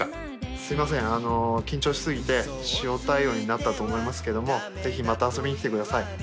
すいません緊張し過ぎて塩対応になったと思いますけどもぜひまた遊びに来てください。